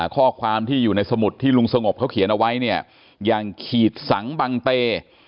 ข้อความที่อยู่ในสมุดที่ลุงสงบเขาเขียนเอาไว้เนี่ยอย่างขีดสังบังเต